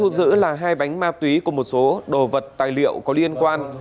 giữ là hai bánh ma túy cùng một số đồ vật tài liệu có liên quan